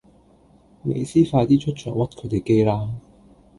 美斯快啲出場屈佢地機啦